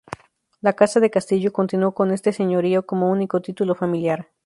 La Casa de Castillo continuó con este señorío como único título familiar.